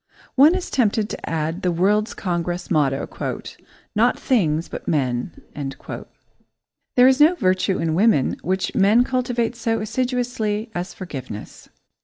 One is tempted to add the World's Congress motto "Not things, but men." There is no virtue in women which men cultivate so assiduously as forgiveness.